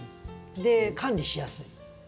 で管理しやすい。